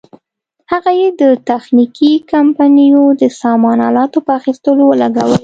هغه یې د تخنیکي کمپنیو د سامان الاتو په اخیستلو ولګول.